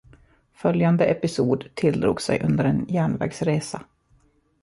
Följande episod tilldrog sig under en järnvägsresa.